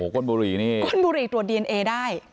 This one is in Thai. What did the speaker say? ก้นบุหรี่ตรวจดิเอนเอได้